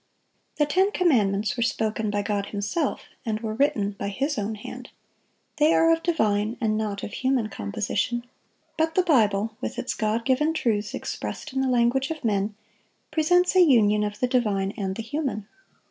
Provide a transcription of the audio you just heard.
The ten commandments were spoken by God Himself, and were written by His own hand. They are of divine, and not of human composition. But the Bible, with its God given truths expressed in the language of men, presents a union of the divine and the human.